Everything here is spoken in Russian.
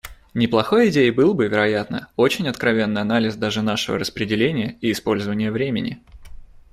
Неплохой идеей был бы, вероятно, очень откровенный анализ даже нашего распределения и использования времени.